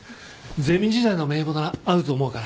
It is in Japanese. ゼミ時代の名簿ならあると思うから。